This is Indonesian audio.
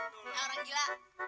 dan sampai yang orang gila